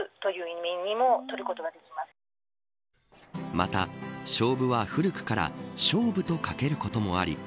またショウブは古くから勝負と書けることもあり